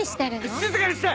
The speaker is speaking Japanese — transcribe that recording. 静かにして！